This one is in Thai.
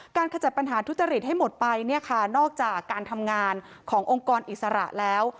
ขจัดปัญหาทุจริตให้หมดไปเนี่ยค่ะนอกจากการทำงานขององค์กรอิสระแล้ว